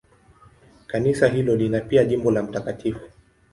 Kanisa hilo lina pia jimbo la Mt.